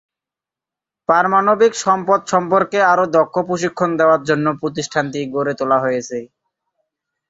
পারমাণবিক সম্পদ সম্পর্কে আরো দক্ষ প্রশিক্ষণ দেওয়ার জন্য প্রতিষ্ঠানটি গড়ে তোলা হয়েছে।